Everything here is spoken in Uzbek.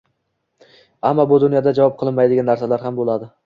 Ammo bu dunyoda javob qilinmaydigan narsalar ham bo’ladi.